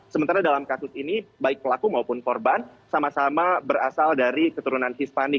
sementara dalam kasus ini baik pelaku maupun korban sama sama berasal dari keturunan hispanik